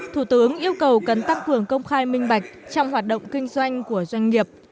thủ tướng yêu cầu cần tắt vườn công khai minh bạch trong hoạt động kinh doanh của doanh nghiệp